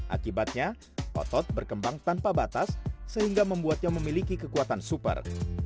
akibatnya otot berkembang tanpa batas sehingga membuatnya memiliki kekuatan super